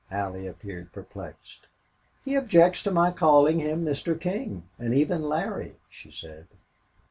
Allie appeared perplexed. "He objects to my calling him Mr. King and even Larry," she said.